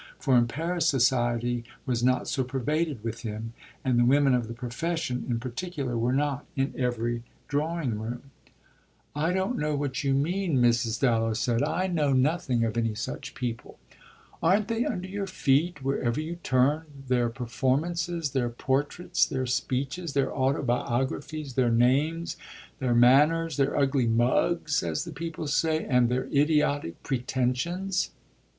For in Paris society was not so pervaded with him, and the women of the profession, in particular, were not in every drawing room. "I don't know what you mean," Mrs. Dallow said. "I know nothing of any such people." "Aren't they under your feet wherever you turn their performances, their portraits, their speeches, their autobiographies, their names, their manners, their ugly mugs, as the people say, and their idiotic pretensions?"